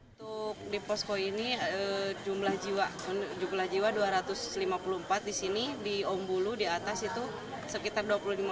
untuk di posko ini jumlah jiwa dua ratus lima puluh empat di sini di ombulu di atas itu sekitar dua puluh lima